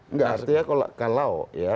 enggak astia kalau